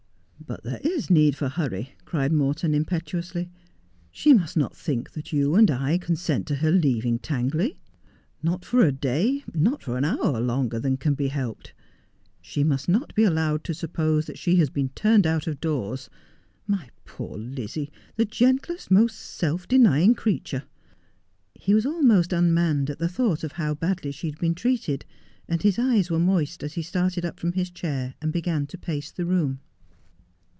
'' But there is need for hurry,' cried Morton impetuously. ' She must not think that you and I consent to her leavin/ Tangley. Not for a day, not for an hour, longer than can be helped. She must not be allowed to suppose that she has been turned out of doors — my poor Lizzie — the gentlest, most self denying creature.' He was almost unmanned at the thought of how badly she had been treated, and his eyes were moist as he started up from his chair and began to pace the room.